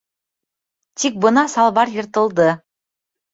Тик бына салбар йыртылды!